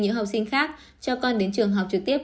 những học sinh khác cho con đến trường học trực tiếp